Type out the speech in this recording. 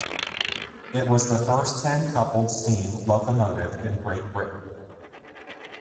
It was the first ten-coupled steam locomotive in Great Britain.